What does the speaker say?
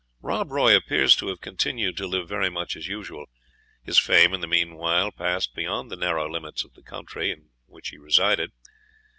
Rob Roy appears to have continued to live very much as usual. His fame, in the meanwhile, passed beyond the narrow limits of the country in which he resided.